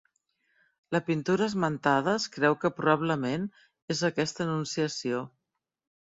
La pintura esmentada es creu que probablement és aquesta anunciació.